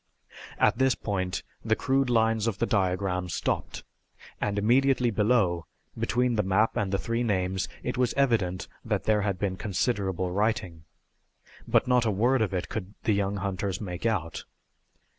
At this point the crude lines of the diagram stopped, and immediately below, between the map and the three names, it was evident that there had been considerable writing. But not a word of it could the young hunters make out.